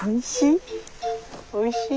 おいしい？